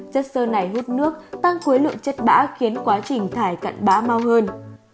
chất sơ này hút nước tăng khối lượng chất bã khiến quá trình thải cận bã mau hơn